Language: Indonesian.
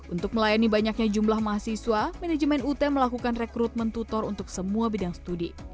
untuk melayani banyaknya jumlah mahasiswa manajemen ut melakukan rekrutmen tutor untuk semua bidang studi